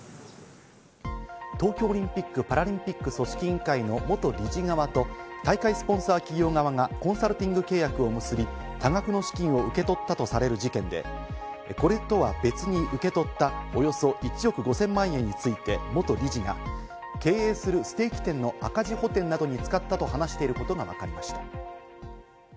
東京オリンピック・パラリンピック組織委員会の元理事側と大会スポンサー企業側がコンサルティング契約を結び、多額の資金を受け取ったとされる事件で、これとは別に受け取ったおよそ１億５０００万円について、元理事が経営するステーキ店の赤字補填などに使ったと話していることがわかりました。